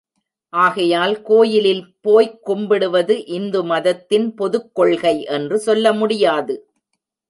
ஆகையால் கோயிலில் போய்க் கும்பிடுவது இந்து மதத்தின் பொதுக் கொள்கை என்று சொல்ல முடியாது.